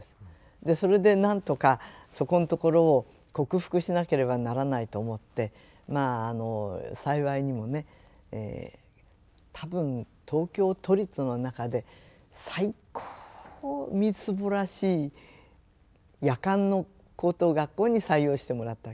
でそれでなんとかそこんところを克服しなければならないと思ってまああの幸いにもね多分東京都立の中で最高にみすぼらしい夜間の高等学校に採用してもらったわけです。